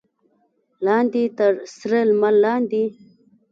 لاندې تر سره لمر لاندې.